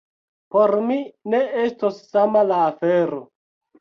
Por mi ne estos sama la afero.